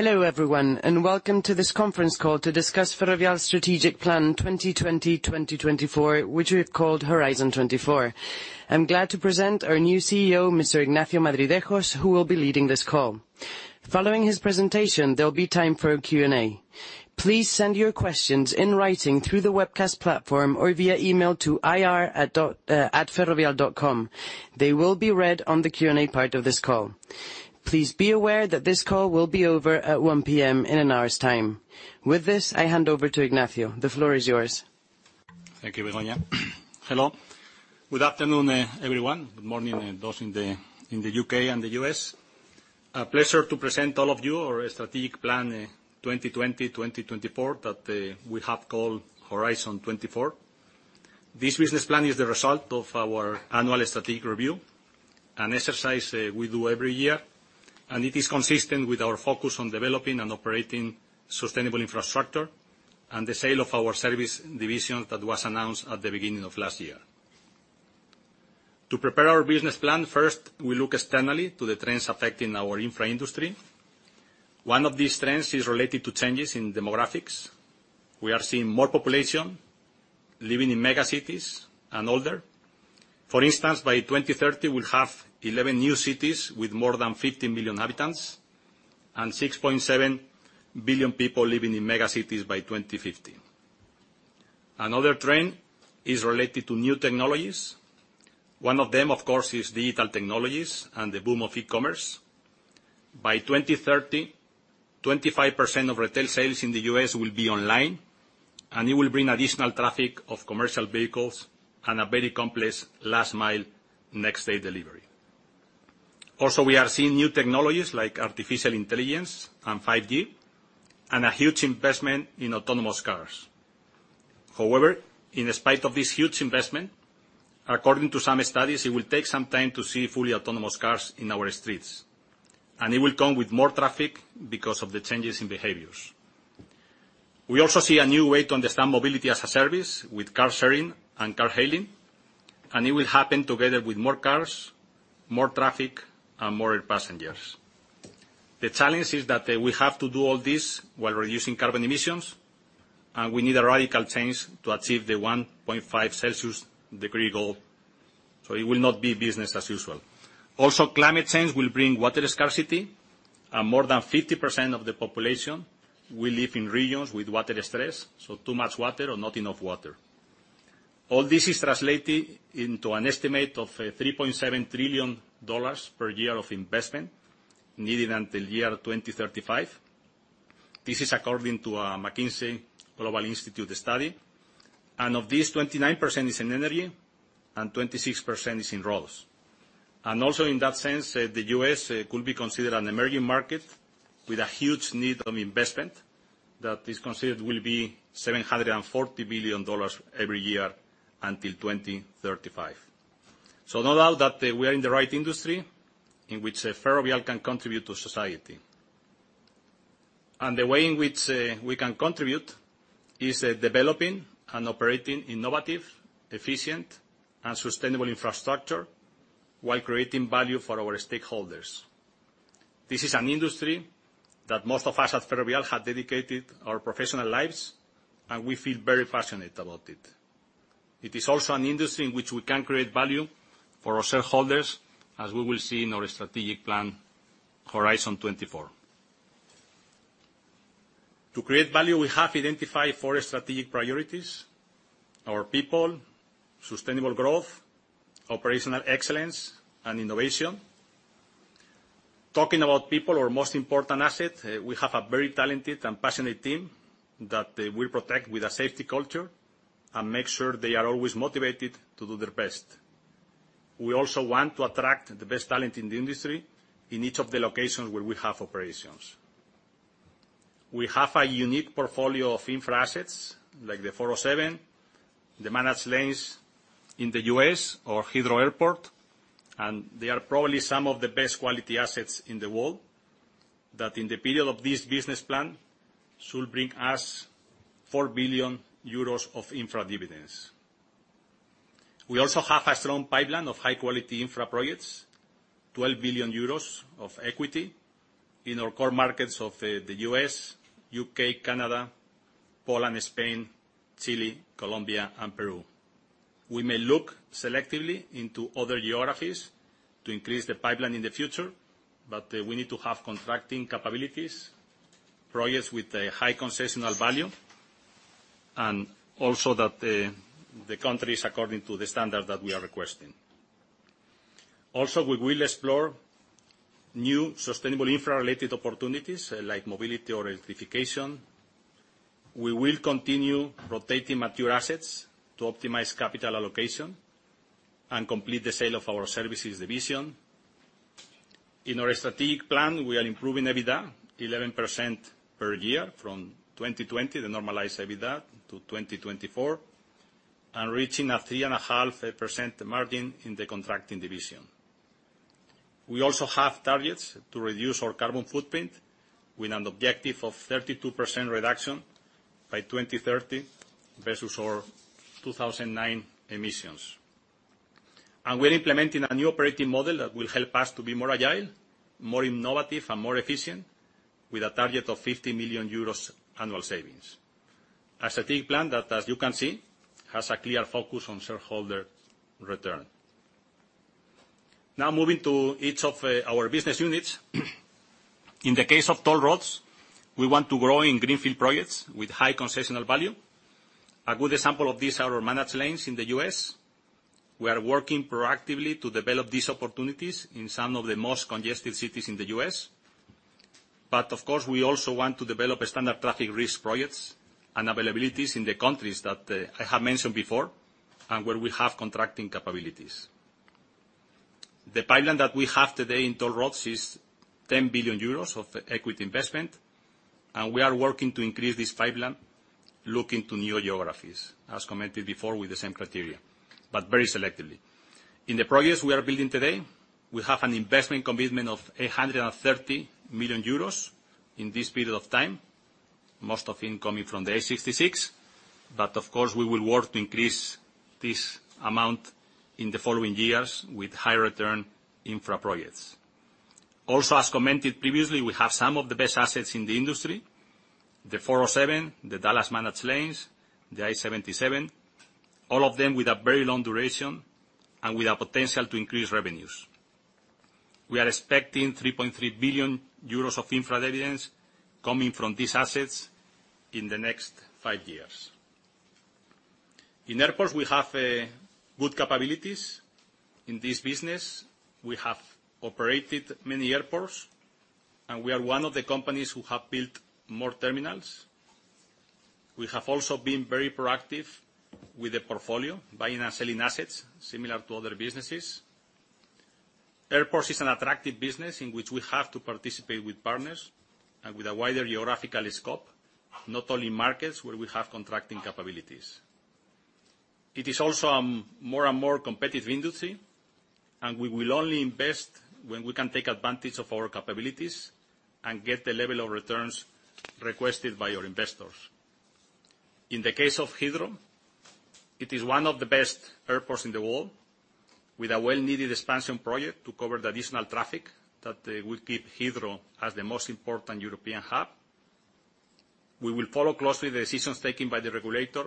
Hello, everyone, and welcome to this conference call to discuss Ferrovial Strategic Plan 2020-2024, which we've called Horizon 24. I'm glad to present our new CEO, Mr. Ignacio Madridejos, who will be leading this call. Following his presentation, there'll be time for a Q&A. Please send your questions in writing through the webcast platform or via email to ir@ferrovial.com. They will be read on the Q&A part of this call. Please be aware that this call will be over at 1:00 P.M., in an hour's time. With this, I hand over to Ignacio. The floor is yours. Thank you, Begoña. Hello. Good afternoon, everyone. Good morning, those in the U.K. and the U.S. A pleasure to present all of you our strategic plan 2020-2024 that we have called Horizon 24. This business plan is the result of our annual strategic review, an exercise we do every year, and it is consistent with our focus on developing and operating sustainable infrastructure, and the sale of our service division that was announced at the beginning of last year. To prepare our business plan, first, we look externally to the trends affecting our infra industry. One of these trends is related to changes in demographics. We are seeing more population living in mega cities and older. For instance, by 2030, we'll have 11 new cities with more than 50 million inhabitants, and 6.7 billion people living in mega cities by 2050. Another trend is related to new technologies. One of them, of course, is digital technologies and the boom of e-commerce. By 2030, 25% of retail sales in the U.S. will be online, and it will bring additional traffic of commercial vehicles and a very complex last mile next day delivery. Also, we are seeing new technologies like artificial intelligence and 5G, and a huge investment in autonomous cars. However, in spite of this huge investment, according to some studies, it will take some time to see fully autonomous cars in our streets. It will come with more traffic because of the changes in behaviors. We also see a new way to understand mobility as a service with car sharing and car hailing, and it will happen together with more cars, more traffic, and more passengers. The challenge is that we have to do all this while reducing carbon emissions, and we need a radical change to achieve the 1.5 Celsius degree goal, so it will not be business as usual. Also, climate change will bring water scarcity, and more than 50% of the population will live in regions with water stress, so too much water or not enough water. All this is translated into an estimate of $3.7 trillion per year of investment needed until year 2035. This is according to a McKinsey Global Institute study. Of this, 29% is in energy and 26% is in roads. Also in that sense, the U.S. could be considered an emerging market with a huge need of investment that is considered will be $740 billion every year until 2035. No doubt that we are in the right industry in which Ferrovial can contribute to society. The way in which we can contribute is developing and operating innovative, efficient, and sustainable infrastructure while creating value for our stakeholders. This is an industry that most of us at Ferrovial have dedicated our professional lives, and we feel very passionate about it. It is also an industry in which we can create value for our shareholders, as we will see in our strategic plan, Horizon 24. To create value, we have identified four strategic priorities. Our people, sustainable growth, operational excellence, and innovation. Talking about people, our most important asset, we have a very talented and passionate team that we protect with a safety culture and make sure they are always motivated to do their best. We also want to attract the best talent in the industry in each of the locations where we have operations. We have a unique portfolio of infra assets like the 407, the managed lanes in the U.S. or Heathrow Airport, and they are probably some of the best quality assets in the world that in the period of this business plan should bring us 4 billion euros of infra dividends. We also have a strong pipeline of high-quality infra projects, 12 billion euros of equity in our core markets of the U.S., U.K., Canada, Poland, Spain, Chile, Colombia, and Peru. We may look selectively into other geographies to increase the pipeline in the future, but we need to have contracting capabilities, projects with a high concessional value, and also that the country is according to the standard that we are requesting. Also, we will explore new sustainable infra-related opportunities like mobility or electrification. We will continue rotating mature assets to optimize capital allocation and complete the sale of our services division. In our strategic plan, we are improving EBITDA 11% per year from 2020, the normalized EBITDA to 2024, and reaching a 3.5% margin in the contracting division. We're implementing a new operating model that will help us to be more agile, more innovative, and more efficient, with a target of 50 million euros annual savings. A strategic plan that, as you can see, has a clear focus on shareholder return. Now moving to each of our business units. In the case of toll roads, we want to grow in greenfield projects with high concessional value. A good example of this are our managed lanes in the U.S. We are working proactively to develop these opportunities in some of the most congested cities in the U.S. Of course, we also want to develop standard traffic risk projects and availabilities in the countries that I have mentioned before and where we have contracting capabilities. The pipeline that we have today in toll roads is 10 billion euros of equity investment, and we are working to increase this pipeline, look into new geographies, as commented before, with the same criteria, but very selectively. In the projects we are building today, we have an investment commitment of 830 million euros in this period of time, most of it coming from the A-66. Of course, we will work to increase this amount in the following years with high-return infra projects. Also, as commented previously, we have some of the best assets in the industry. The 407, the Dallas managed lanes, the I-77. All of them with a very long duration and with a potential to increase revenues. We are expecting 3.3 billion euros of dividends coming from these assets in the next five years. In airports, we have good capabilities in this business. We have operated many airports, and we are one of the companies who have built more terminals. We have also been very proactive with the portfolio, buying and selling assets similar to other businesses. Airports is an attractive business in which we have to participate with partners and with a wider geographical scope, not only markets where we have contracting capabilities. It is also a more and more competitive industry, and we will only invest when we can take advantage of our capabilities and get the level of returns requested by our investors. In the case of Heathrow, it is one of the best airports in the world, with a well-needed expansion project to cover the additional traffic that will keep Heathrow as the most important European hub. We will follow closely the decisions taken by the regulator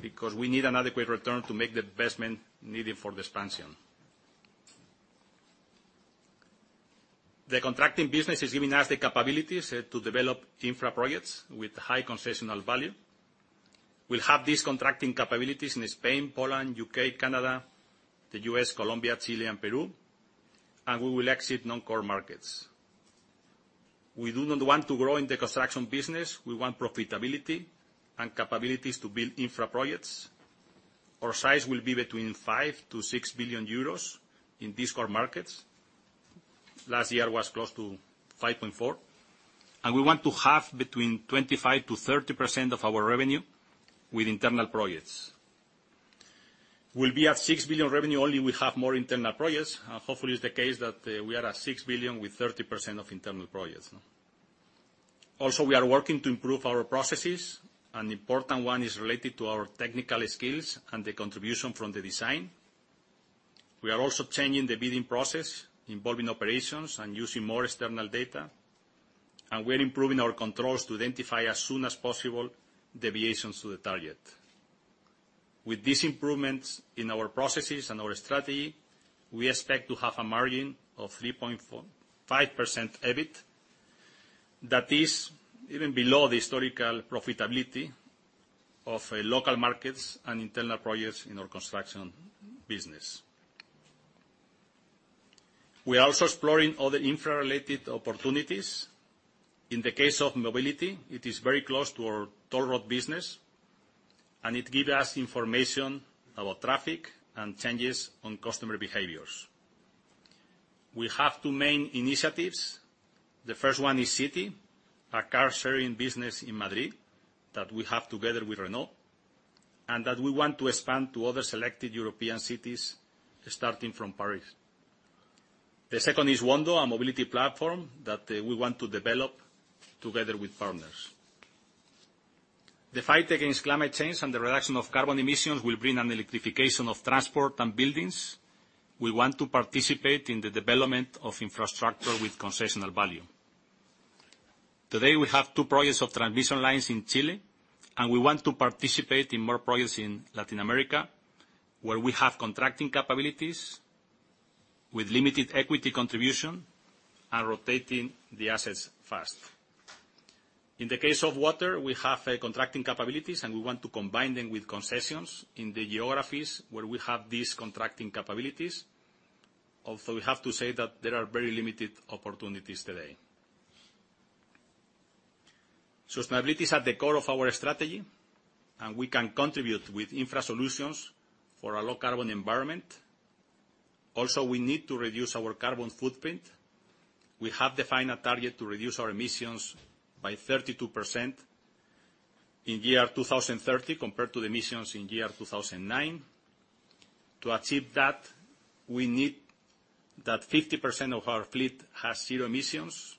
because we need an adequate return to make the investment needed for the expansion. The contracting business is giving us the capabilities to develop infra projects with high concessional value. We'll have these contracting capabilities in Spain, Poland, U.K., Canada, the U.S., Colombia, Chile, and Peru. We will exit non-core markets. We do not want to grow in the construction business. We want profitability and capabilities to build infra projects. Our size will be between 5 billion-6 billion euros in these core markets. Last year was close to 5.4 billion. We want to have between 25%-30% of our revenue with internal projects. We'll be at 6 billion revenue only we have more internal projects. Hopefully it's the case that we are at 6 billion with 30% of internal projects. We are working to improve our processes, an important one is related to our technical skills and the contribution from the design. We are also changing the bidding process, involving operations and using more external data. We're improving our controls to identify as soon as possible deviations to the target. With these improvements in our processes and our strategy, we expect to have a margin of 3.5% EBIT. That is even below the historical profitability of local markets and internal projects in our construction business. We are also exploring other infra-related opportunities. In the case of mobility, it is very close to our toll road business and it give us information about traffic and changes on customer behaviors. We have two main initiatives. The first one is Zity, a car-sharing business in Madrid that we have together with Renault, that we want to expand to other selected European cities starting from Paris. The second is Wondo, a mobility platform that we want to develop together with partners. The fight against climate change and the reduction of carbon emissions will bring an electrification of transport and buildings. We want to participate in the development of infrastructure with concessional value. Today we have two projects of transmission lines in Chile, we want to participate in more projects in Latin America where we have contracting capabilities with limited equity contribution and rotating the assets fast. In the case of water, we have contracting capabilities, we want to combine them with concessions in the geographies where we have these contracting capabilities. We have to say that there are very limited opportunities today. Sustainability is at the core of our strategy and we can contribute with infra solutions for a low-carbon environment. We need to reduce our carbon footprint. We have defined a target to reduce our emissions by 32% in year 2030 compared to the emissions in year 2009. To achieve that, we need that 50% of our fleet has zero emissions.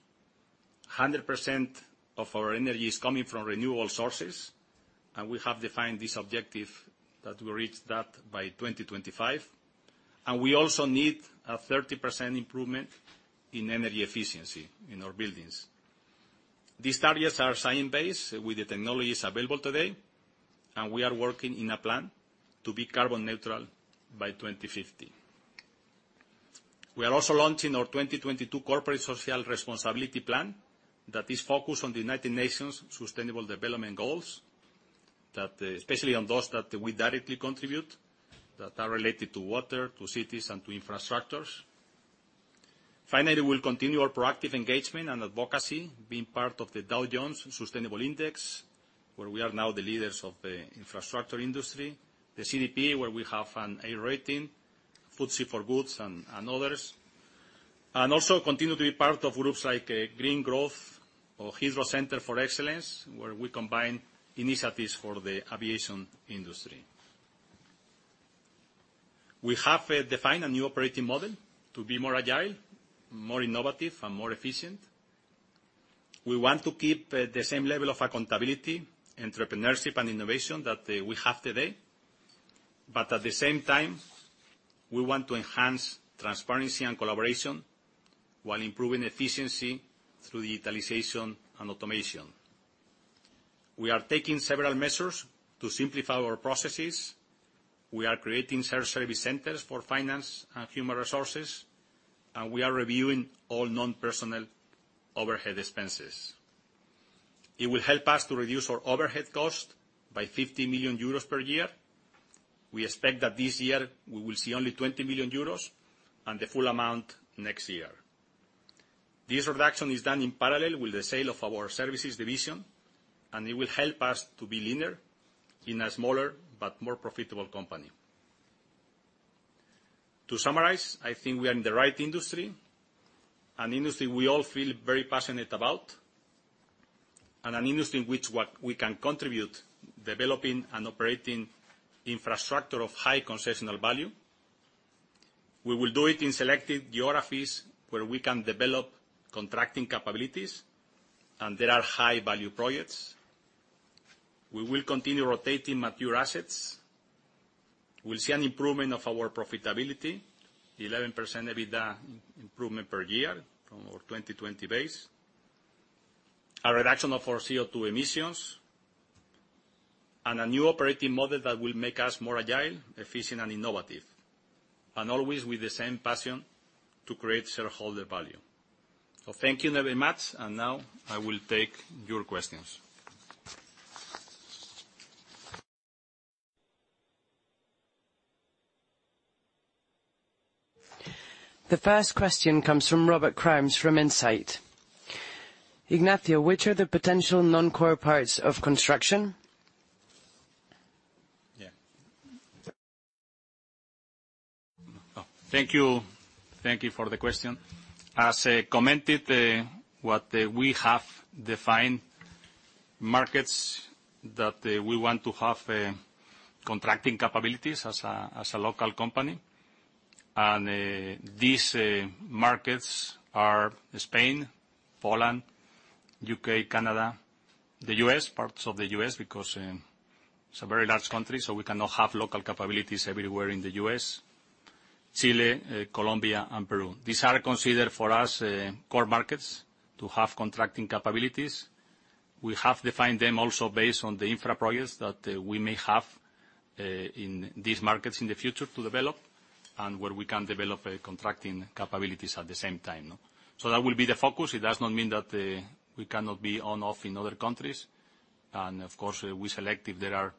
100% of our energy is coming from renewable sources, and we have defined this objective that we'll reach that by 2025. We also need a 30% improvement in energy efficiency in our buildings. These targets are science-based with the technologies available today, and we are working on a plan to be carbon neutral by 2050. We are also launching our 2022 corporate social responsibility plan that is focused on the United Nations Sustainable Development Goals, especially on those that we directly contribute, that are related to water, to cities, and to infrastructures. We'll continue our proactive engagement and advocacy, being part of the Dow Jones Sustainability Index, where we are now the leaders of the infrastructure industry, the CDP, where we have an A rating, FTSE4Good, and others. Also continue to be part of groups like Green Growth or Heathrow Centre of Excellence, where we combine initiatives for the aviation industry. We have defined a new operating model to be more agile, more innovative, and more efficient. We want to keep the same level of accountability, entrepreneurship, and innovation that we have today. At the same time, we want to enhance transparency and collaboration while improving efficiency through digitalization and automation. We are taking several measures to simplify our processes. We are creating shared service centers for finance and human resources, and we are reviewing all non-personal overhead expenses. It will help us to reduce our overhead cost by 50 million euros per year. We expect that this year we will see only 20 million euros, and the full amount next year. This reduction is done in parallel with the sale of our services division, and it will help us to be leaner in a smaller but more profitable company. To summarize, I think we are in the right industry, an industry we all feel very passionate about, and an industry in which we can contribute, developing and operating infrastructure of high concessional value. We will do it in selected geographies where we can develop contracting capabilities and there are high-value projects. We will continue rotating mature assets. We'll see an improvement of our profitability, 11% EBITDA improvement per year from our 2020 base. A reduction of our CO2 emissions, and a new operating model that will make us more agile, efficient, and innovative. Always with the same passion to create shareholder value. Thank you very much, and now I will take your questions. The first question comes from Robert Crimes from Insight. Ignacio, which are the potential non-core parts of construction? Yeah. Thank you for the question. As commented, what we have defined markets that we want to have contracting capabilities as a local company. These markets are Spain, Poland, U.K., Canada, the U.S., parts of the U.S., because it's a very large country, so we cannot have local capabilities everywhere in the U.S., Chile, Colombia, and Peru. These are considered for us core markets to have contracting capabilities. We have defined them also based on the infra projects that we may have in these markets in the future to develop, and where we can develop contracting capabilities at the same time. That will be the focus. It does not mean that we cannot be on/off in other countries. Of course, we select if there are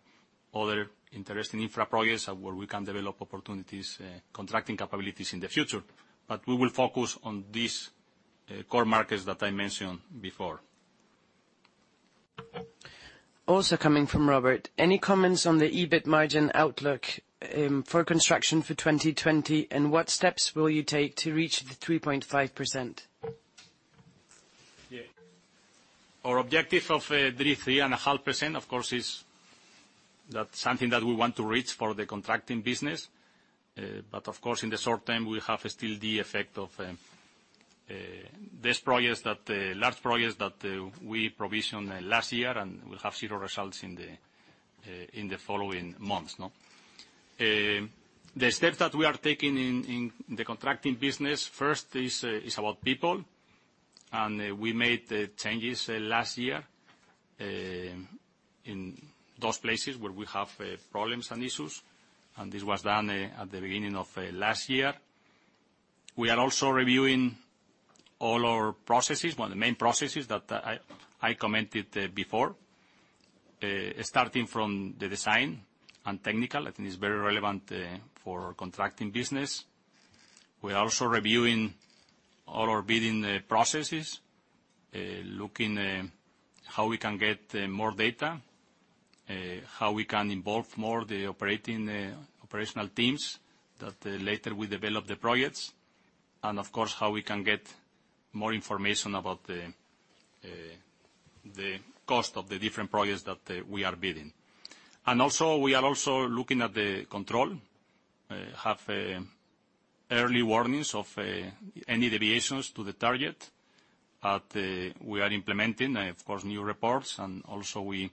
other interesting infra projects where we can develop opportunities, contracting capabilities in the future. We will focus on these core markets that I mentioned before. Also coming from Robert. Any comments on the EBIT margin outlook for construction for 2020, and what steps will you take to reach the 3.5%? Yeah. Our objective of 3.5%, of course, is something that we want to reach for the contracting business. Of course, in the short term, we have still the effect of this large project that we provisioned last year, and we'll have zero results in the following months. The steps that we are taking in the contracting business, first is about people. We made changes last year in those places where we have problems and issues. This was done at the beginning of last year. We are also reviewing all our processes, the main processes that I commented before, starting from the design and technical. I think it's very relevant for our contracting business. We're also reviewing all our bidding processes, looking how we can get more data, how we can involve more the operational teams that later will develop the projects. How we can get more information about the cost of the different projects that we are bidding. We are looking at the control, early warnings of any deviations to the target that we are implementing, of course, new reports. We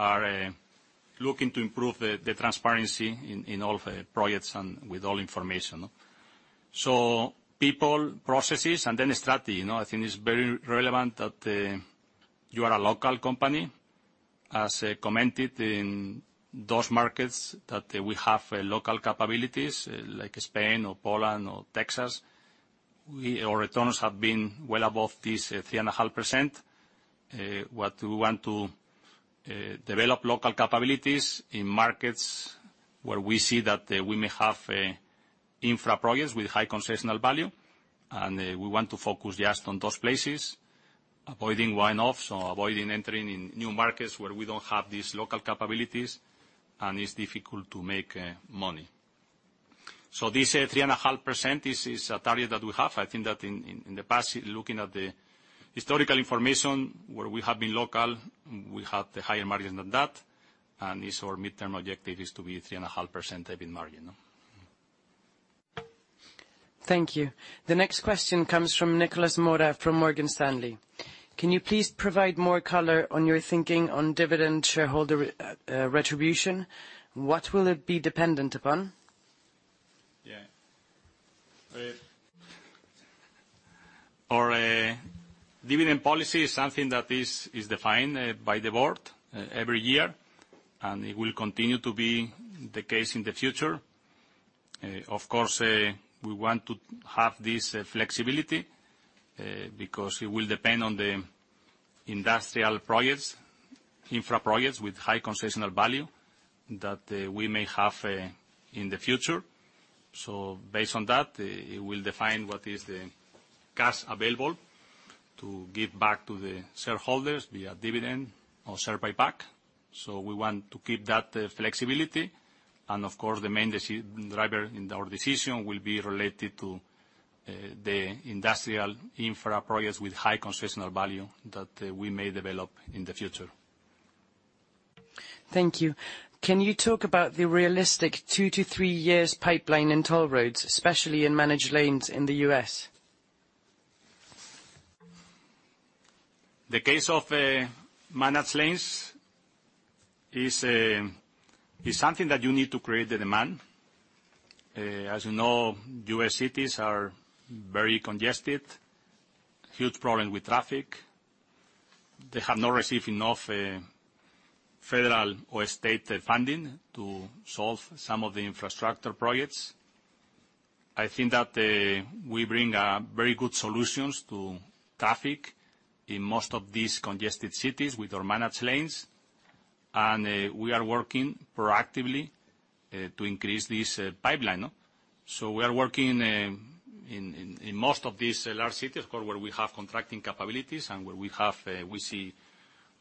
are looking to improve the transparency in all the projects and with all information. People, processes, and strategy. I think it's very relevant that you are a local c ompany, as commented in those markets that we have local capabilities like Spain or Poland or Texas. Our returns have been well above this 3.5%. What we want to develop local capabilities in markets where we see that we may have infra projects with high concessional value, and we want to focus just on those places, avoiding one-offs or avoiding entering in new markets where we don't have these local capabilities and it's difficult to make money. This 3.5%, this is a target that we have. I think that in the past, looking at the historical information where we have been local, we had higher margins than that. This, our midterm objective is to be 3.5% EBIT margin. Thank you. The next question comes from Nicolas Mora from Morgan Stanley. Can you please provide more color on your thinking on dividend shareholder distribution? What will it be dependent upon? Yeah. Our dividend policy is something that is defined by the Board every year, and it will continue to be the case in the future. Of course, we want to have this flexibility because it will depend on the industrial projects, infra projects with high concessional value that we may have in the future. Based on that, it will define what is the cash available to give back to the shareholders via dividend or share buyback. We want to keep that flexibility. Of course, the main driver in our decision will be related to the industrial infra projects with high concessional value that we may develop in the future. Thank you. Can you talk about the realistic two to three years pipeline in toll roads, especially in managed lanes in the U.S.? The case of managed lanes is something that you need to create the demand. As you know, U.S. cities are very congested. Huge problem with traffic. They have not received enough federal or state funding to solve some of the infrastructure projects. I think that we bring very good solutions to traffic in most of these congested cities with our managed lanes. We are working proactively to increase this pipeline. We are working in most of these large cities, of course, where we have contracting capabilities and where we see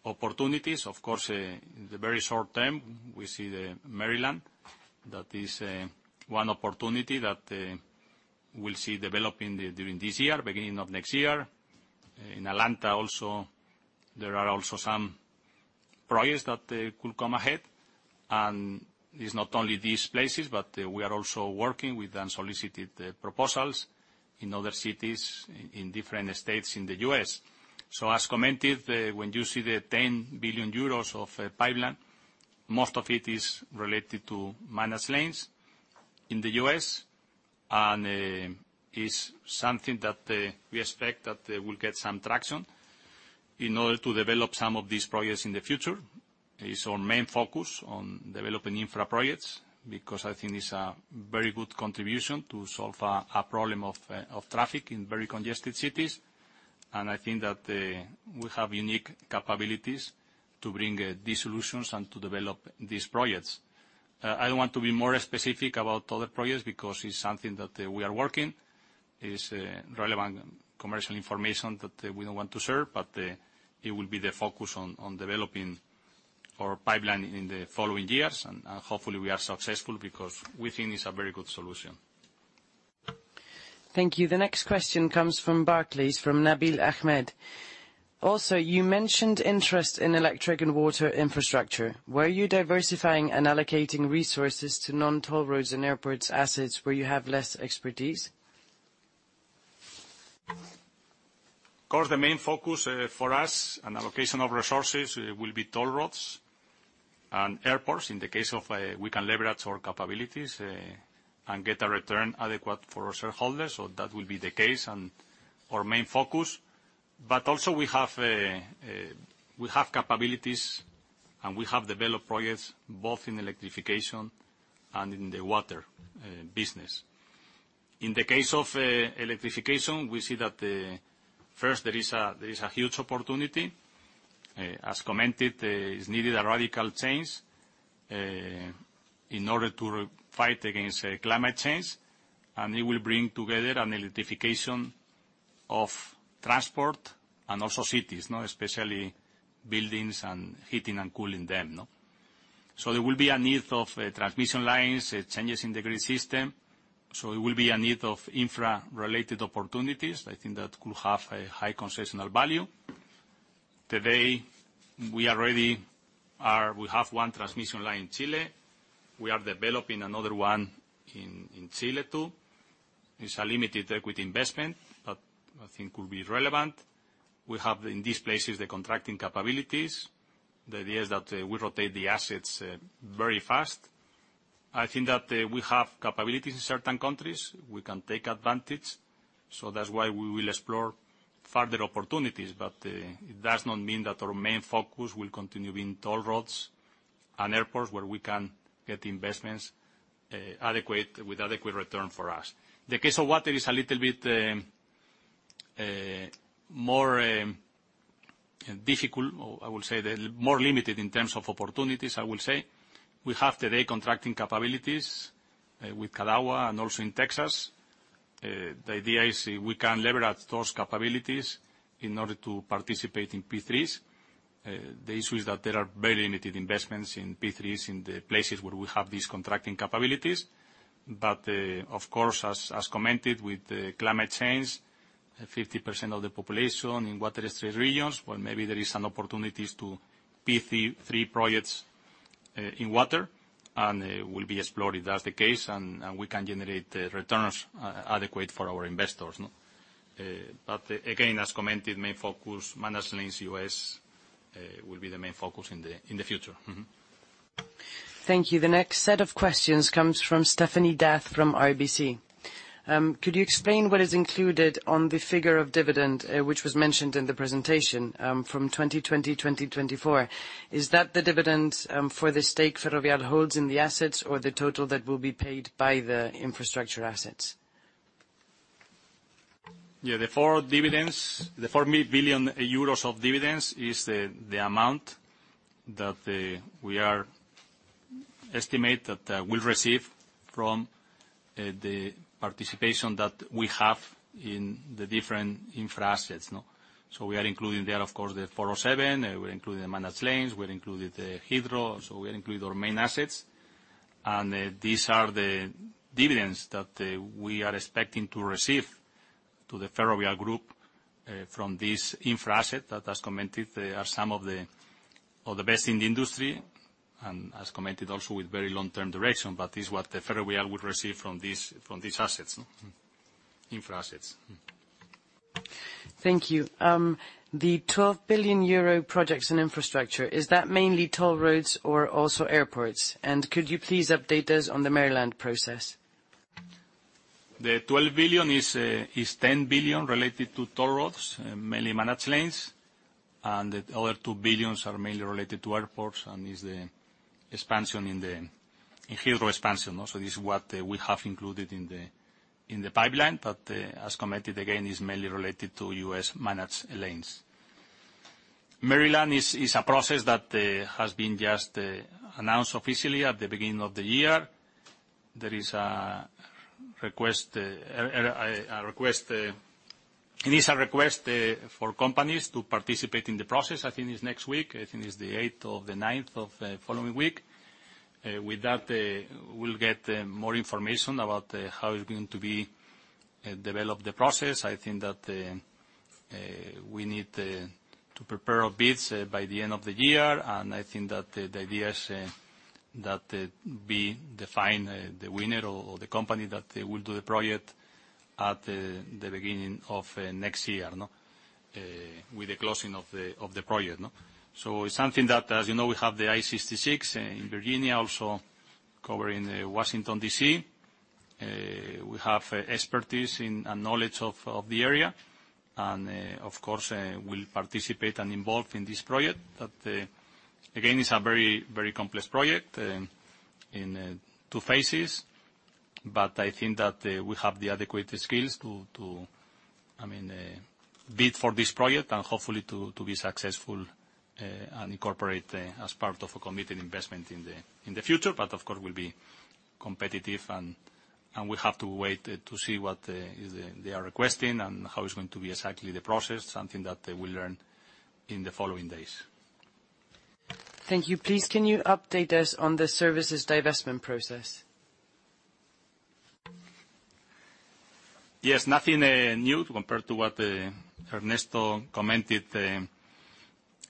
opportunities. Of course, in the very short term, we see the Maryland. That is one opportunity that we'll see developing during this year, beginning of next year. In Atlanta also, there are also some projects that could come ahead. It's not only these places, but we are also working with unsolicited proposals in other cities in different states in the U.S. As commented, when you see the 10 billion euros of pipeline, most of it is related to managed lanes in the U.S. and is something that we expect that will get some traction in order to develop some of these projects in the future. It's our main focus on developing infra projects because I think it's a very good contribution to solve a problem of traffic in very congested cities. I think that we have unique capabilities to bring these solutions and to develop these projects. I don't want to be more specific about other projects because it's something that we are working. It is relevant commercial information that we don't want to share, but it will be the focus on developing our pipeline in the following years. Hopefully we are successful because we think it's a very good solution. Thank you. The next question comes from Barclays, from Nabil Ahmed. Also, you mentioned interest in electric and water infrastructure. Were you diversifying and allocating resources to non-toll roads and airports assets where you have less expertise? Of course, the main focus for us and allocation of resources will be toll roads and airports in the case of we can leverage our capabilities and get a return adequate for our shareholders. That will be the case and our main focus. Also we have capabilities and we have developed projects both in electrification and in the water business. In the case of electrification, we see that first, there is a huge opportunity. As commented, is needed a radical change in order to fight against climate change. It will bring together an electrification of transport and also cities. Especially buildings and heating and cooling them. There will be a need of transmission lines, changes in the grid system. It will be a need of infra-related opportunities. I think that could have a high concessional value. Today, we have one transmission line in Chile. We are developing another one in Chile too. It's a limited equity investment, but I think will be relevant. We have, in these places, the contracting capabilities. The idea is that we rotate the assets very fast. I think that we have capabilities in certain countries we can take advantage. That's why we will explore further opportunities. It does not mean that our main focus will continue being toll roads and airports where we can get investments with adequate return for us. The case of water is a little bit more difficult, or I will say the more limited in terms of opportunities, I will say. We have today contracting capabilities with Cadagua and also in Texas. The idea is we can leverage those capabilities in order to participate in P3s. The issue is that there are very limited investments in P3s in the places where we have these contracting capabilities. Of course, as commented with the climate change, 50% of the population in water stressed regions, well, maybe there is an opportunity to P3 projects in water, and it will be explored if that's the case, and we can generate returns adequate for our investors. Again, as commented, managed lanes U.S., will be the main focus in the future. Thank you. The next set of questions comes from Stéphanie D'Ath from RBC. Could you explain what is included on the figure of dividend, which was mentioned in the presentation, from 2020-2024? Is that the dividend for the stake Ferrovial holds in the assets or the total that will be paid by the infrastructure assets? The 4 billion euros of dividends is the amount that we estimate that we'll receive from the participation that we have in the different infra assets. We are including there, of course, the 407, we included the managed lanes, we included the Heathrow. We include our main assets. These are the dividends that we are expecting to receive to the Ferrovial Group from this infra asset that, as commented, they are some of the best in the industry, and as commented also with very long-term duration. This is what the Ferrovial would receive from these infra assets. Thank you. The 12 billion euro projects in infrastructure, is that mainly toll roads or also airports? Could you please update us on the Maryland process? The 12 billion is 10 billion related to toll roads, mainly managed lanes. The other 2 billions are mainly related to airports and is the Heathrow expansion also. This is what we have included in the pipeline, as commented again, is mainly related to U.S. managed lanes. Maryland is a process that has been just announced officially at the beginning of the year. There is a request for companies to participate in the process. I think it's next week. I think it's the eighth or the ninth of following week. With that, we'll get more information about how it's going to be developed the process. I think that we need to prepare our bids by the end of the year. I think that the idea is that it be defined the winner or the company that will do the project at the beginning of next year with the closing of the project. It's something that, as you know, we have the I-66 in Virginia, also covering Washington, D.C. We have expertise and knowledge of the area. Of course, we'll participate and involve in this project. Again, it's a very complex project in two phases. I think that we have the adequate skills to bid for this project and hopefully to be successful and incorporate as part of a committed investment in the future. Of course, we'll be competitive, and we have to wait to see what they are requesting and how it's going to be exactly the process, something that we'll learn in the following days. Thank you. Please, can you update us on the services divestment process? Yes, nothing new compared to what Ernesto commented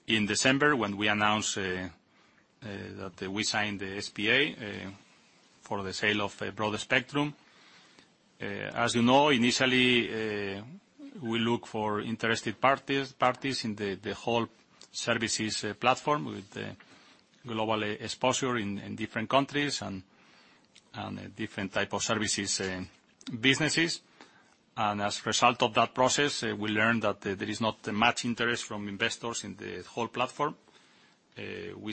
in December when we announced that we signed the SPA for the sale of Broadspectrum. As you know, initially, we look for interested parties in the whole services platform with global exposure in different countries and different type of services businesses. As a result of that process, we learned that there is not much interest from investors in the whole platform. We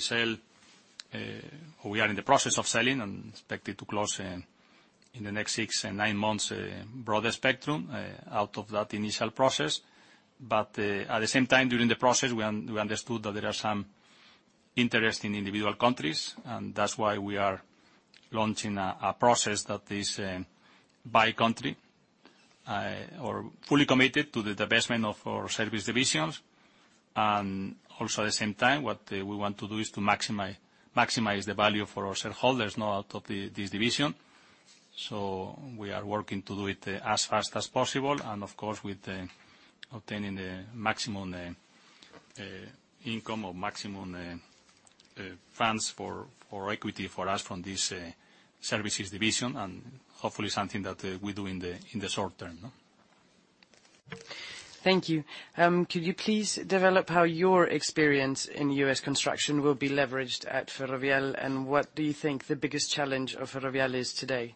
are in the process of selling and expected to close in the next six and nine months Broadspectrum out of that initial process. At the same time, during the process, we understood that there are some interest in individual countries. That's why we are launching a process that is by country or fully committed to the divestment of our service divisions. Also at the same time, what we want to do is to maximize the value for our shareholders out of this division. We are working to do it as fast as possible and, of course, with obtaining the maximum income or maximum funds for equity for us from this services division, and hopefully something that we do in the short term. Thank you. Could you please develop how your experience in U.S. construction will be leveraged at Ferrovial, and what do you think the biggest challenge of Ferrovial is today?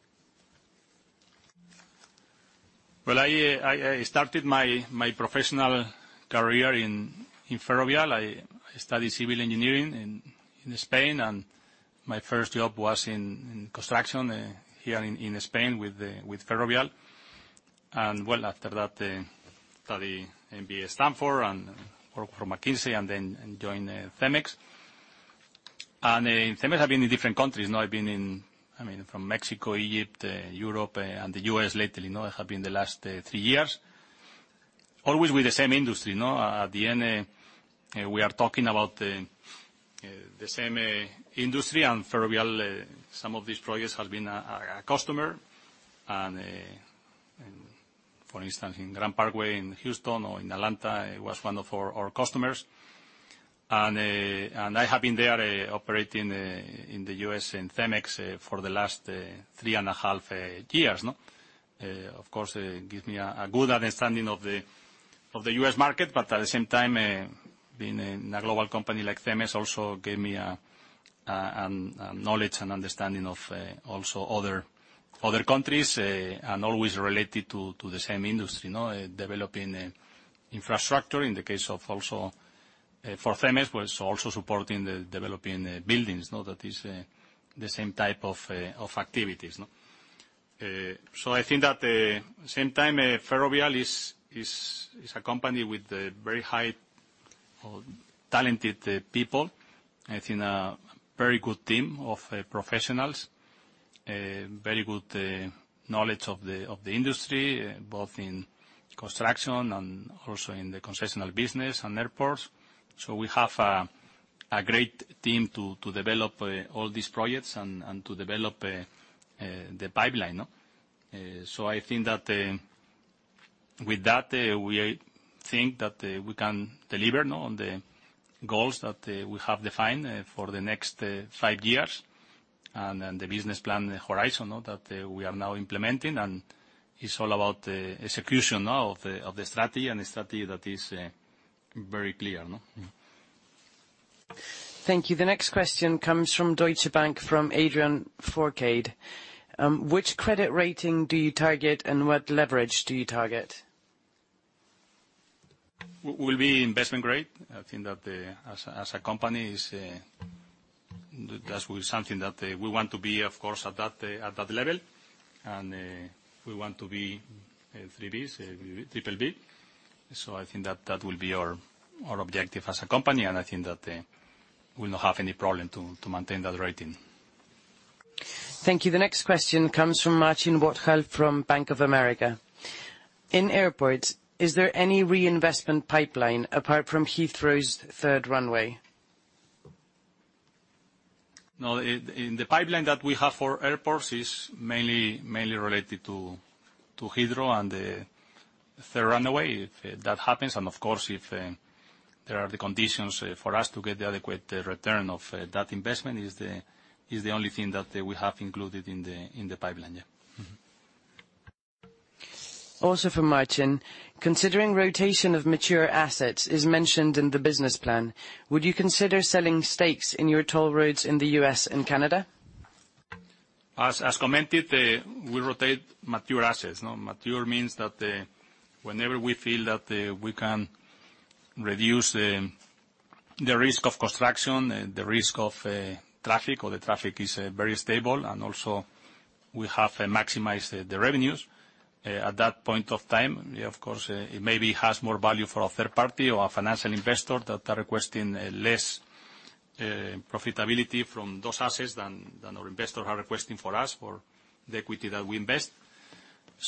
Well, I started my professional career in Ferrovial. I studied civil engineering in Spain, and my first job was in construction here in Spain with Ferrovial. Well, after that, study MBA Stanford and worked for McKinsey and then joined CEMEX. In CEMEX, I've been in different countries. I've been from Mexico, Egypt, Europe, and the U.S. lately. I have been the last three years, always with the same industry. At the end, we are talking about the same industry, and Ferrovial, some of these projects have been a customer. For instance, in Grand Parkway in Houston or in Atlanta, it was one of our customers. I have been there operating in the U.S. in CEMEX for the last three and a half years. Of course, it gives me a good understanding of the U.S. market, but at the same time, being in a global company like CEMEX also gave me knowledge and understanding of also other countries, and always related to the same industry, developing infrastructure. In the case of also for CEMEX, was also supporting the developing buildings. That is the same type of activities. I think that same time, Ferrovial is a company with very high talented people. I think a very good team of professionals, very good knowledge of the industry, both in construction and also in the concessional business and airports. We have a great team to develop all these projects and to develop the pipeline. I think that with that, we think that we can deliver on the goals that we have defined for the next five years, and the business plan horizon that we are now implementing, and it's all about the execution now of the strategy, and a strategy that is very clear. Thank you. The next question comes from Deutsche Bank, from Adrian Forcade. Which credit rating do you target and what leverage do you target? Will be investment grade. I think that as a company, that will be something that we want to be, of course, at that level. We want to be 3 Bs, triple B. I think that will be our objective as a company, and I think that we not have any problem to maintain that rating. Thank you. The next question comes from Martin Botthall from Bank of America. In airports, is there any reinvestment pipeline apart from Heathrow's third runway? No, in the pipeline that we have for airports is mainly related to Heathrow and the third runway. If that happens, and of course, if there are the conditions for us to get the adequate return of that investment, is the only thing that we have included in the pipeline, yeah. Also from Martin. Considering rotation of mature assets is mentioned in the business plan, would you consider selling stakes in your toll roads in the U.S. and Canada? As commented, we rotate mature assets. Mature means that whenever we feel that we can reduce the risk of construction, the risk of traffic, or the traffic is very stable, and also we have maximized the revenues at that point of time, of course, it maybe has more value for a third party or a financial investor that are requesting less profitability from those assets than our investor are requesting for us for the equity that we invest.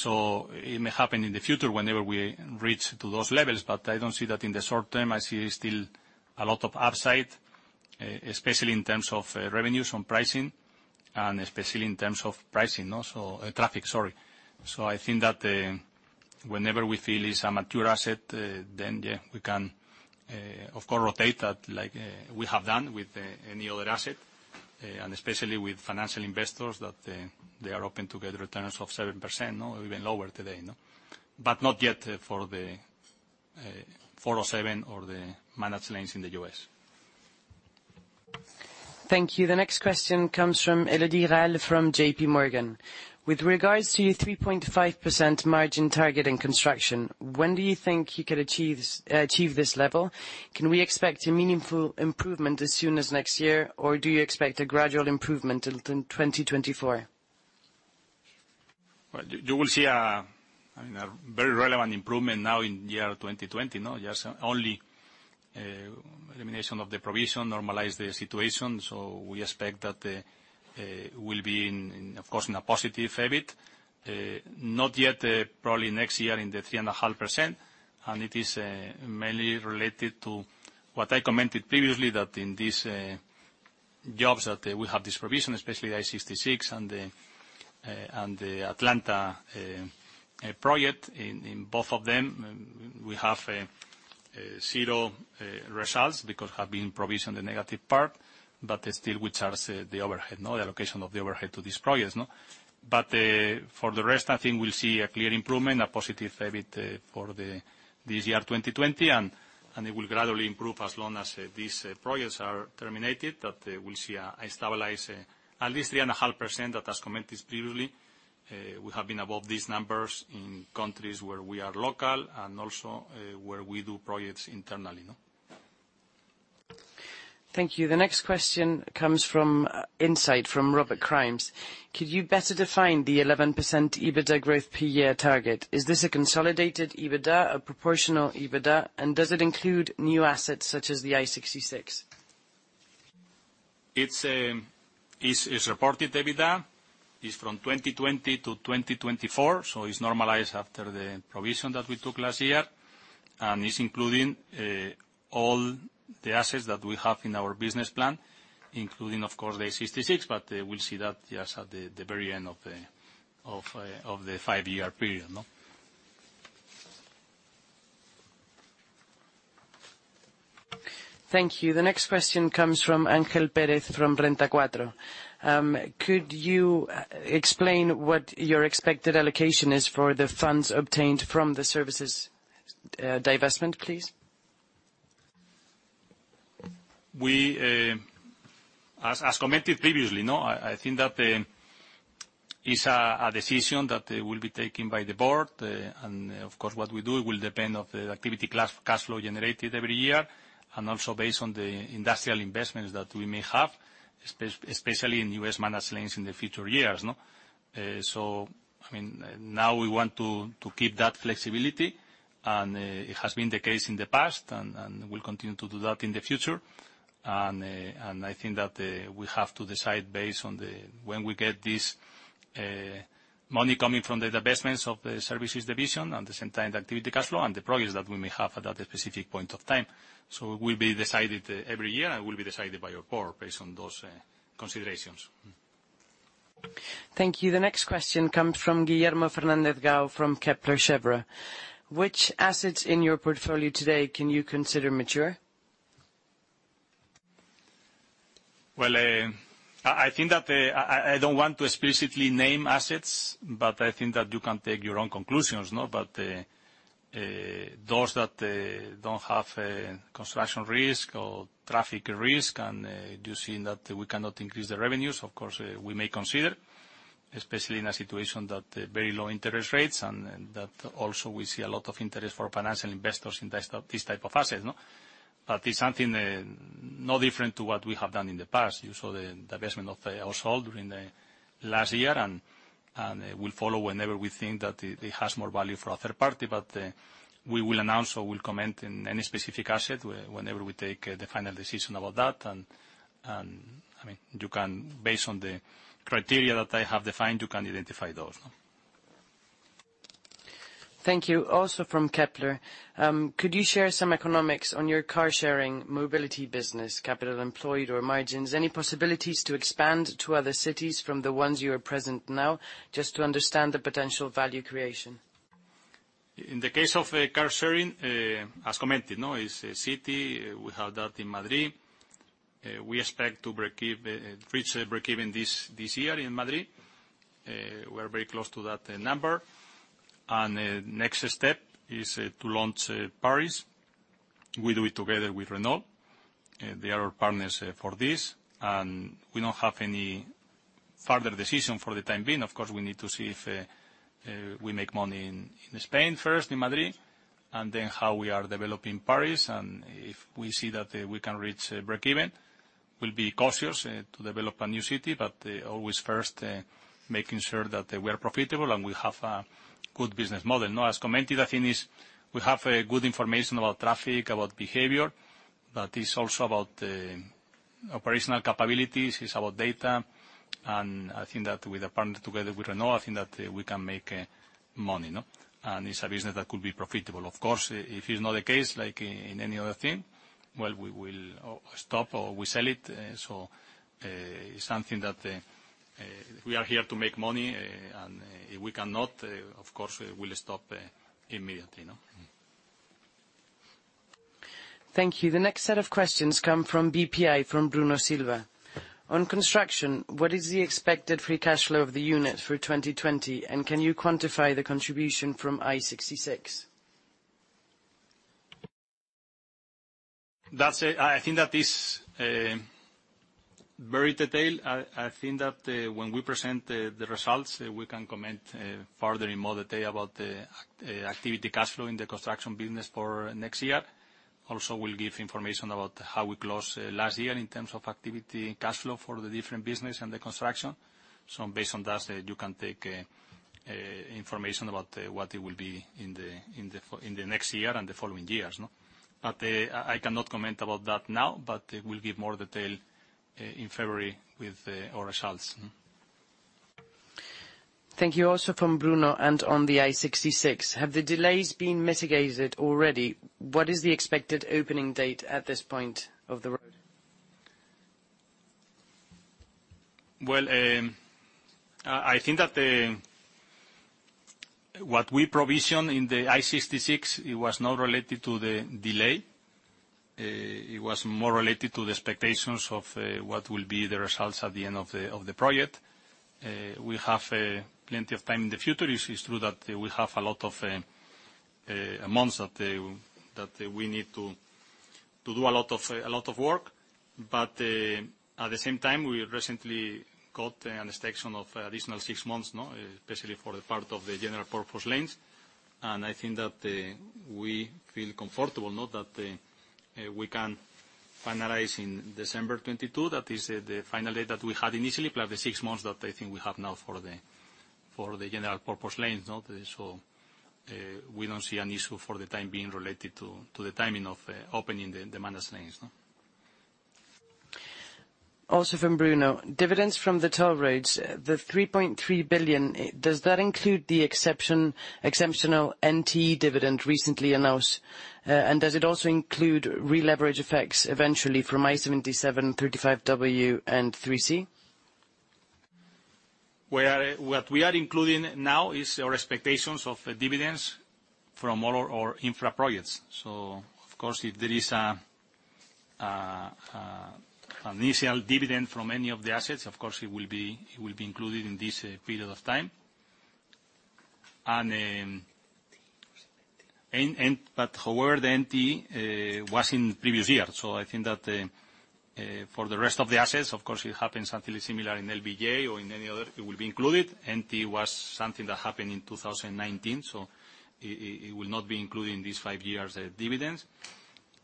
It may happen in the future whenever we reach to those levels, but I don't see that in the short term. I see still a lot of upside, especially in terms of revenues on pricing, and especially in terms of traffic. I think that whenever we feel it's a mature asset, then yeah, we can, of course, rotate that like we have done with any other asset, and especially with financial investors that they are open to get returns of 7%, or even lower today. Not yet for the 407 or the managed lanes in the U.S. Thank you. The next question comes from Elodie Rall from J.P. Morgan. With regards to your 3.5% margin target in construction, when do you think you could achieve this level? Can we expect a meaningful improvement as soon as next year, or do you expect a gradual improvement until 2024? Well, you will see a very relevant improvement now in the year 2020. Just only elimination of the provision, normalize the situation. We expect that we'll be, of course, in a positive EBIT. Not yet, probably next year in the 3.5%, and it is mainly related to what I commented previously, that in these projects that will have this provision, especially I-66 and the Atlanta project. In both of them, we have zero results because it has been provisioned, the negative part, but still we charge the overhead, the allocation of the overhead to these projects. For the rest, I think we'll see a clear improvement, a positive EBIT for this year 2020, and it will gradually improve as long as these projects are terminated, that we'll see a stabilization, at least 3.5% that has commented previously. We have been above these numbers in countries where we are local and also where we do projects internally. Thank you. The next question comes from Insight, from Robert Crimes. Could you better define the 11% EBITDA growth per year target? Is this a consolidated EBITDA, a proportional EBITDA? Does it include new assets such as the I-66? It's reported EBITDA. It's from 2020 to 2024, so it's normalized after the provision that we took last year, and it's including all the assets that we have in our business plan, including, of course, the I-66, but we'll see that just at the very end of the five-year period. Thank you. The next question comes from Ángel Pérez, from Renta 4. Could you explain what your expected allocation is for the funds obtained from the services divestment, please? Of course, what we do will depend on the activity cash flow generated every year, and also based on the industrial investments that we may have, especially in U.S. managed lanes in the future years. Now we want to keep that flexibility, and it has been the case in the past, and we'll continue to do that in the future. I think that we have to decide based on when we get this money coming from the divestments of the services division, at the same time, the activity cash flow, and the progress that we may have at that specific point of time. It will be decided every year and will be decided by our board based on those considerations. Thank you. The next question comes from Guillermo Fernandez-Gao from Kepler Cheuvreux. Which assets in your portfolio today can you consider mature? I don't want to explicitly name assets. I think that you can take your own conclusions. Those that don't have construction risk or traffic risk, and you're seeing that we cannot increase the revenues, of course, we may consider, especially in a situation that very low interest rates and that also we see a lot of interest for financial investors invest in this type of asset. It's something not different to what we have done in the past. You saw the divestment of Ausol during the last year, and we'll follow whenever we think that it has more value for a third party. We will announce or we'll comment in any specific asset whenever we take the final decision about that. Based on the criteria that I have defined, you can identify those. Thank you. Also from Kepler. Could you share some economics on your car sharing mobility business, capital employed or margins? Any possibilities to expand to other cities from the ones you are present now, just to understand the potential value creation? In the case of car sharing, as commented, it's Zity, we have that in Madrid. We expect to reach breakeven this year in Madrid. We're very close to that number. Next step is to launch Paris. We do it together with Renault. They are our partners for this. We don't have any further decision for the time being. Of course, we need to see if we make money in Spain first, in Madrid, and then how we are developing Paris, and if we see that we can reach breakeven. We'll be cautious to develop a new city, but always first making sure that we are profitable and we have a good business model. As commented, I think we have good information about traffic, about behavior, but it's also about operational capabilities. It's about data. I think that with a partner together with Renault, I think that we can make money. It's a business that could be profitable. Of course, if it's not the case, like in any other thing, well, we will stop or we sell it. We are here to make money, and if we cannot, of course, we will stop immediately. Thank you. The next set of questions come from BPI, from Bruno Silva. On construction, what is the expected free cash flow of the unit for 2020, and can you quantify the contribution from I-66? I think that is very detailed. I think that when we present the results, we can comment further in more detail about the activity cash flow in the construction business for next year. Also, we'll give information about how we closed last year in terms of activity and cash flow for the different business and the construction. Based on that, you can take information about what it will be in the next year and the following years. I cannot comment about that now, but we'll give more detail in February with our results. Thank you. Also from Bruno, and on the I-66, have the delays been mitigated already? What is the expected opening date at this point of the road? I think that what we provision in the I-66, it was not related to the delay. It was more related to the expectations of what will be the results at the end of the project. We have plenty of time in the future. It is true that we have a lot of months that we need to do a lot of work. At the same time, we recently got an extension of additional six months, especially for the part of the general purpose lanes. I think that we feel comfortable now that we can finalize in December 2022. That is the final date that we had initially, plus the six months that I think we have now for the general purpose lanes. We don't see an issue for the time being related to the timing of opening the managed lanes. Also from Bruno. Dividends from the toll roads, the 3.3 billion, does that include the exceptional NTE dividend recently announced, and does it also include releverage effects eventually from I-77, 35W, and 3C? What we are including now is our expectations of dividends from all our infra projects. Of course, if there is an initial dividend from any of the assets, of course it will be included in this period of time. However, NT was in the previous year, so I think that for the rest of the assets, of course, it happens something similar in LBJ or in any other, it will be included. NT was something that happened in 2019, so it will not be included in these five years' dividends.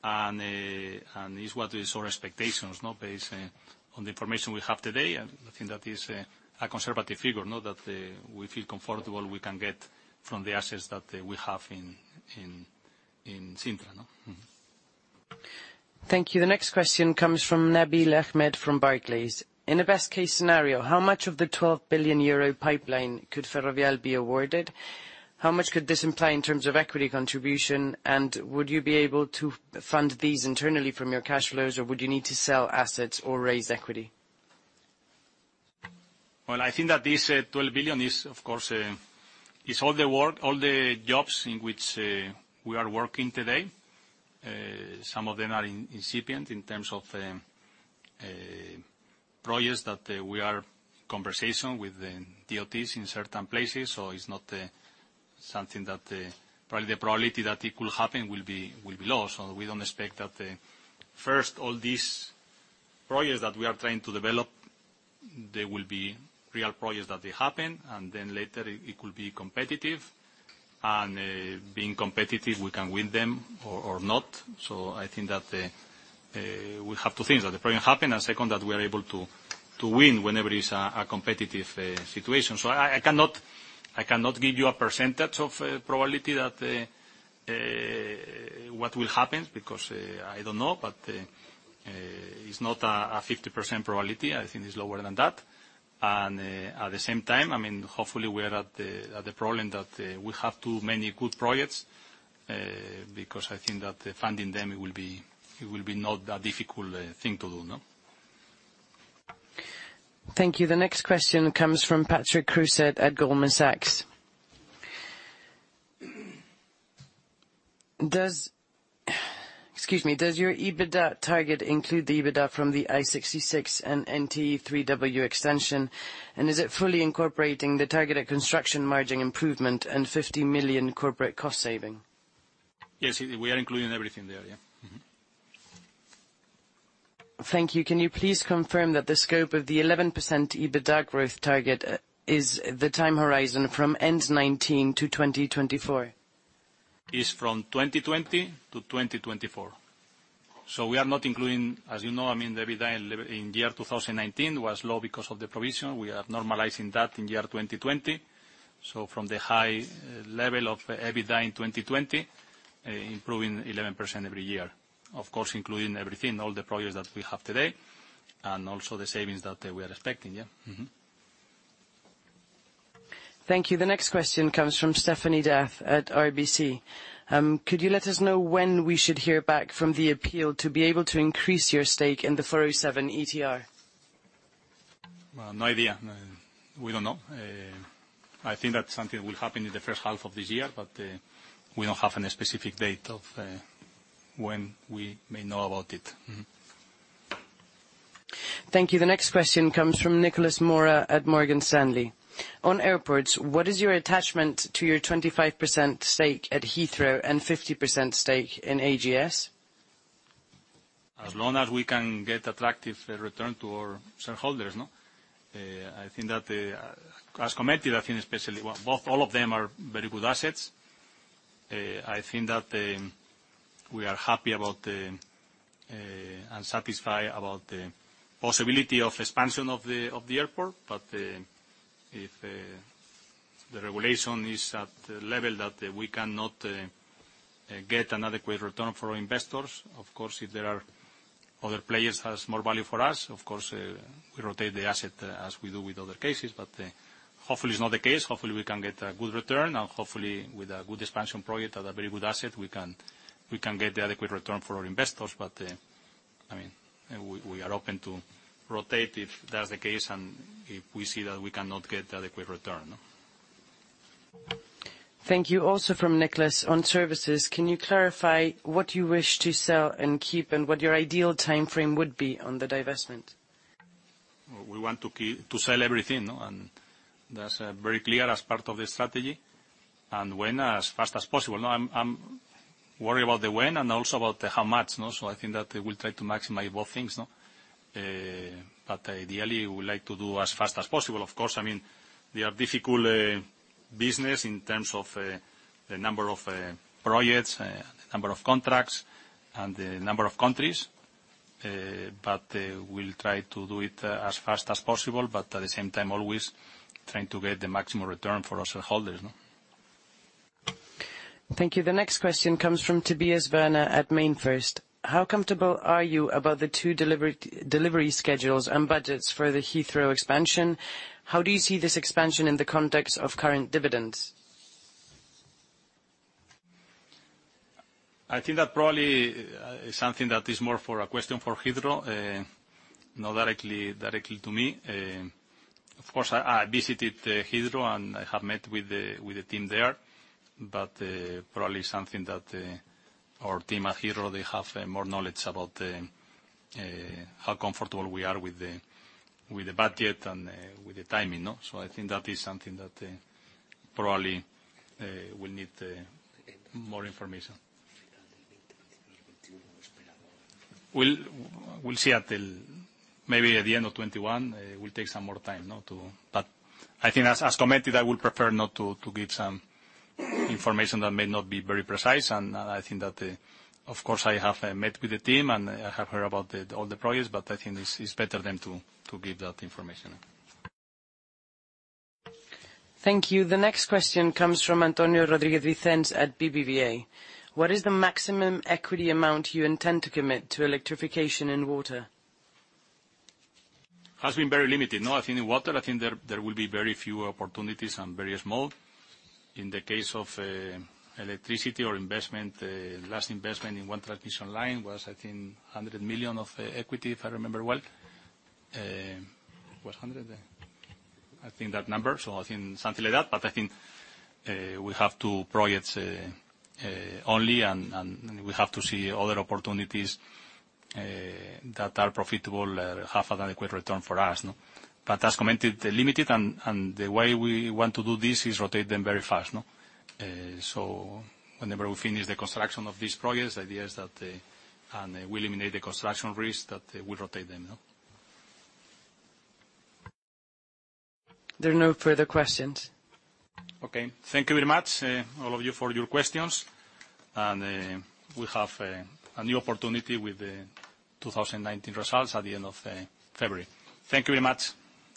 This is what is our expectations, based on the information we have today, and I think that is a conservative figure, now that we feel comfortable we can get from the assets that we have in Cintra. Thank you. The next question comes from Nabil Ahmed from Barclays. In a best case scenario, how much of the 12 billion euro pipeline could Ferrovial be awarded? How much could this imply in terms of equity contribution? Would you be able to fund these internally from your cash flows, or would you need to sell assets or raise equity? Well, I think that this 12 billion, of course, is all the work, all the jobs in which we are working today. Some of them are incipient in terms of projects that we are conversation with the DOTs in certain places. It's not something that, probably, the probability that it will happen will be low. We don't expect that first all these projects that we are trying to develop, they will be real projects that they happen, and then later it could be competitive. Being competitive, we can win them or not. I think that we have two things. That the project happen, and second, that we are able to win whenever it's a competitive situation. I cannot give you a percentage of probability that what will happen, because I don't know, but it's not a 50% probability. I think it's lower than that. At the same time, hopefully we are at the problem that we have too many good projects, because I think that funding them, it will be not a difficult thing to do. Thank you. The next question comes from Patrick Creuset at Goldman Sachs. Excuse me. Does your EBITDA target include the EBITDA from the I-66 and NTE 35W extension? Is it fully incorporating the targeted construction margin improvement and 50 million corporate cost saving? Yes, we are including everything there. Yeah. Thank you. Can you please confirm that the scope of the 11% EBITDA growth target is the time horizon from end 2019 to 2024? It's from 2020 to 2024. We are not including, as you know, the EBITDA in year 2019 was low because of the provision. We are normalizing that in year 2020. From the high level of EBITDA in 2020, improving 11% every year. Of course, including everything, all the projects that we have today, and also the savings that we are expecting. Yeah. Thank you. The next question comes from Stéphanie D'Ath at RBC. Could you let us know when we should hear back from the appeal to be able to increase your stake in the 407 ETR? No idea. We don't know. I think that's something will happen in the first half of this year, but we don't have any specific date of when we may know about it. Thank you. The next question comes from Nicolas Mora at Morgan Stanley. On airports, what is your attachment to your 25% stake at Heathrow and 15% stake in AGS? As long as we can get attractive return to our shareholders. As committed, I think especially, all of them are very good assets. I think that we are happy about and satisfied about the possibility of expansion of the airport. If the regulation is at the level that we cannot get an adequate return for our investors. Of course, if there are other players has more value for us, of course, we rotate the asset as we do with other cases. Hopefully it's not the case. Hopefully, we can get a good return, hopefully with a good expansion project or a very good asset, we can get the adequate return for our investors. We are open to rotate if that's the case, if we see that we cannot get the adequate return. Thank you. Also from Nicolas on services, can you clarify what you wish to sell and keep, and what your ideal timeframe would be on the divestment? We want to sell everything. That is very clear as part of the strategy. When? As fast as possible. I am worried about the when and also about the how much. I think that we will try to maximize both things. Ideally, we would like to do as fast as possible, of course. There are difficult business in terms of the number of projects, the number of contracts, and the number of countries. We will try to do it as fast as possible, but at the same time, always trying to get the maximum return for our shareholders. Thank you. The next question comes from Tobias Werner at MainFirst. How comfortable are you about the two delivery schedules and budgets for the Heathrow expansion? How do you see this expansion in the context of current dividends? I think that probably is something that is more for a question for Heathrow, not directly to me. I visited Heathrow, and I have met with the team there. Probably something that our team at Heathrow, they have more knowledge about how comfortable we are with the budget and with the timing. I think that is something that probably will need more information. We'll see at maybe at the end of 2021. It will take some more time. I think as commented, I would prefer not to give some information that may not be very precise. I think that, of course, I have met with the team, and I have heard about all the projects, but I think it's better then to give that information. Thank you. The next question comes from Antonio Rodríguez-Vicens at BBVA. What is the maximum equity amount you intend to commit to electrification and water? Has been very limited. I think in water, I think there will be very few opportunities and very small. In the case of electricity or investment, last investment in one transmission line was, I think, 100 million of equity, if I remember well. It was 100? I think that number. I think we have two projects only, and we have to see other opportunities that are profitable, have an adequate return for us. As commented, they're limited, and the way we want to do this is rotate them very fast. Whenever we finish the construction of these projects, the idea is that, and we eliminate the construction risk, that we rotate them. There are no further questions. Okay. Thank you very much, all of you, for your questions. We have a new opportunity with the 2019 results at the end of February. Thank you very much.